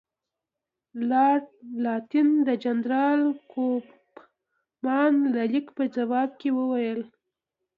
لارډ لیټن د جنرال کوفمان د لیک په ځواب کې وویل.